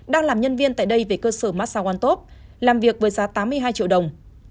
đang làm nhân viên tại đây về cơ sở massa one top làm việc với giá tám mươi hai triệu đồng